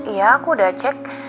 iya aku udah cek